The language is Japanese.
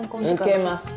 受けます。